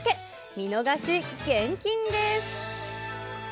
見逃し厳禁です。